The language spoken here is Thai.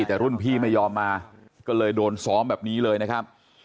แต่รุ่นพี่ไม่ยอมมาก็เลยโดนซ้อมแบบนี้เลยนะครับ